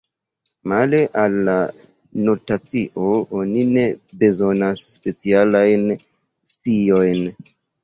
Male al la notacio oni ne bezonas specialajn sciojn.